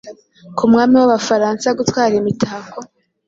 Ku mwami wAbafaransa gutwara imitako